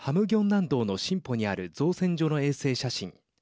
南道のシンポにある造船所の衛星写真。